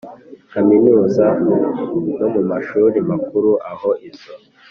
Kaminuza no mu mashuri makuru aho izo